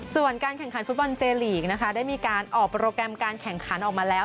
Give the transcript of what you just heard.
ส่วนการแข่งขันฟุตบอลเจลีกนะคะได้มีการออกโปรแกรมการแข่งขันออกมาแล้ว